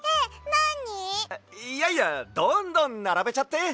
いやいやどんどんならべちゃって！